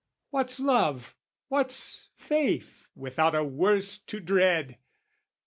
What's love, what's faith without a worst to dread?